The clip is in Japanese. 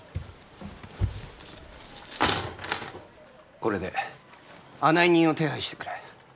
これで案内人を手配してくれ。